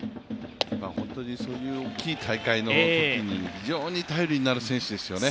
そういう大きい大会のときに非常に頼りになる選手ですよね。